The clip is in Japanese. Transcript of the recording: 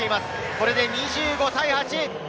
これで２５対８。